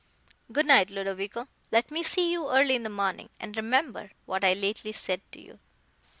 Good night, Ludovico; let me see you early in the morning, and remember what I lately said to you."